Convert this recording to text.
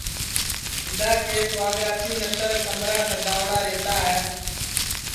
جِدا کہ سُواگراتی نتر کمرا سجاوڑا ریوتا ہے